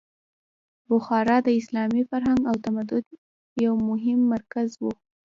بخارا د اسلامي فرهنګ او تمدن یو مهم مرکز و.